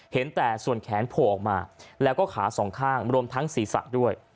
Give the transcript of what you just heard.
เห็นแต่ส่วนแขนโผล่ออกมาแล้วก็ขาสองข้างรวมทั้งศีรษะด้วย